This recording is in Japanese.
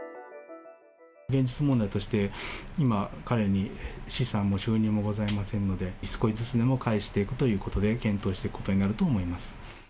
現実問題として、今、彼に資産も収入もございませんので、少しずつでも返していくということで検討していくことになると思います。